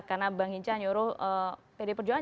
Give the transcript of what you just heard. karena bang hinca nyuruh pd perjuangan